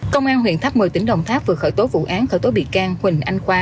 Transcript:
công an huyện tháp một mươi tỉnh đồng tháp vừa khởi tố vụ án khởi tố bị can huỳnh anh khoa